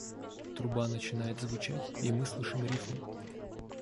Труба начинает звучать и мы слышим рифму.